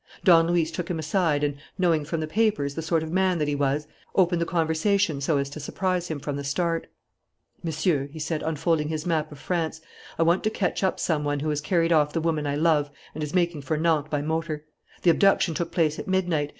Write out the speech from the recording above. Don Luis took him aside and, knowing from the papers the sort of man that he was, opened the conversation so as to surprise him from the start: "Monsieur," he said, unfolding his map of France, "I want to catch up some one who has carried off the woman I love and is making for Nantes by motor. The abduction took place at midnight.